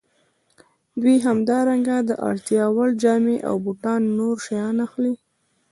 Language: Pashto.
دوی همدارنګه د اړتیا وړ جامې او بوټان او نور شیان اخلي